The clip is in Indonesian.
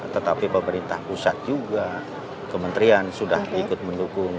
tetapi pemerintah pusat juga kementerian sudah ikut mendukung